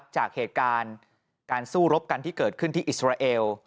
จากเหตุการณ์การสู้รบกันที่เกิดขึ้นที่อิสราเอล